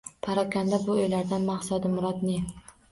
Parokanda bu o’ylardan maqsadu murod ne?